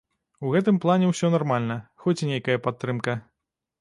У гэтым плане ўсё нармальна, хоць нейкая падтрымка.